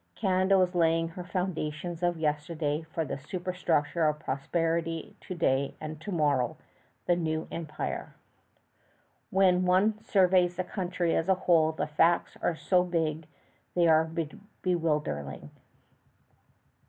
Canada was laying her foundations of yesterday for the superstructure of prosperity to day and to morrow the New Empire. When one surveys the country as a whole, the facts are so big they are bewildering.